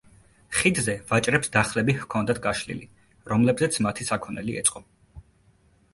ხიდზე ვაჭრებს დახლები ჰქონდათ გაშლილი, რომლებზეც მათი საქონელი ეწყო.